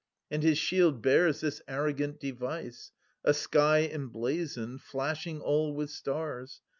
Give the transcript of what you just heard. And his shield bears this arrogant device — A sky emblazoned, flashing all with stars.